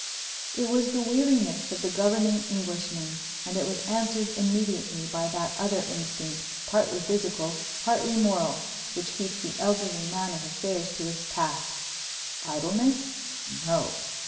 It was the weariness of the governing Englishman, and it was answered immediately by that other instinct, partly physical, partly moral, which keeps the elderly man of affairs to his task. Idleness? No!